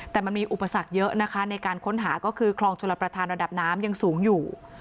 แต่มันมีอุปสรรคเยอะนะคะในการค้นหาก็คือคลองชลประธานระดับน้ำยังสูงอยู่